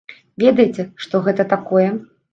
Ведаеце, што гэта такое?